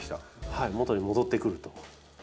はい元に戻ってくると。